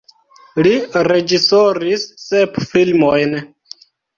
Li reĝisoris sep filmojn.